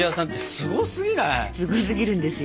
すごすぎるんですよ。